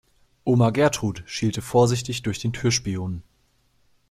Oma Gertrud schielte vorsichtig durch den Türspion.